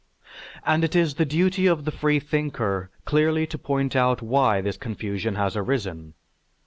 And it is the duty of the freethinker clearly to point out why this confusion has arisen.